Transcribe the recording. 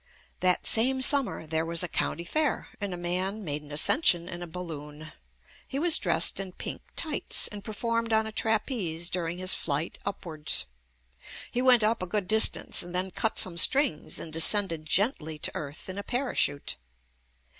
That same summer there was a County Fair, and a man made an ascension in a bal loon. He was dressed in pink tights and per formed on a trapeze during his flight upwards. He went up a good distance, then cut some strings and descended gently to earth in a parachute.